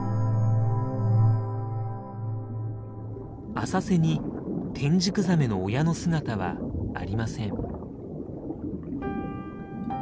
浅瀬にテンジクザメの親の姿はありません。